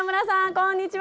こんにちは！